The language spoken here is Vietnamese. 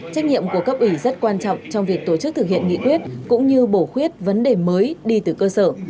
trách nhiệm của cấp ủy rất quan trọng trong việc tổ chức thực hiện nghị quyết cũng như bổ khuyết vấn đề mới đi từ cơ sở